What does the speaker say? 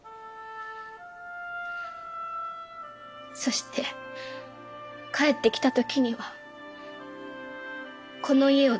そして帰ってきた時にはこの家を継ぐことも。